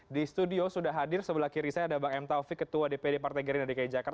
di studio sudah hadir sebelah kiri saya ada bang m taufik ketua dpd partai gerindra dki jakarta